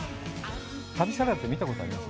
旅サラダって、見たことあります？